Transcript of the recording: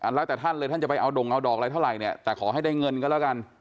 แล้วแต่ท่านเลยท่านจะไปเอาดงเอาดอกอะไรเท่าไหร่เนี่ยแต่ขอให้ได้เงินก็แล้วกัน